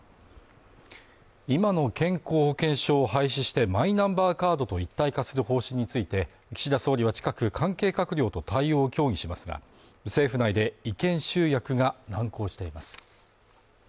今の健康保険証を廃止してマイナンバーカードと一体化する方針について岸田総理は近く関係閣僚と対応を協議しますが政府内で意見集約が難航しています